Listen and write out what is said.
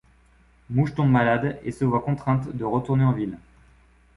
Mouche tombe malade et se voit contrainte de retourner en ville.